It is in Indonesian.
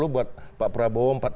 enam puluh buat pak prabowo